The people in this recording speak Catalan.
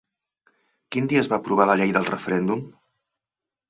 Quin dia es va aprovar la Llei del Referèndum?